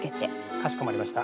かしこまりました。